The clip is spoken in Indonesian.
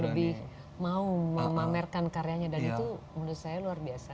lebih berani dan lebih mau memamerkan karyanya dan itu menurut saya luar biasa